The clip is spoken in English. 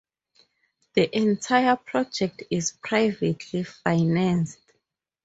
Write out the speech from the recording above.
The entire project is privately financed.